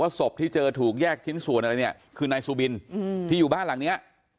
ศพที่เจอถูกแยกชิ้นส่วนอะไรเนี่ยคือนายซูบินที่อยู่บ้านหลังเนี้ย